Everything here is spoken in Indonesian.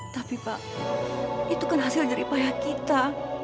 tapi pak itu kan hasil nyari payah kita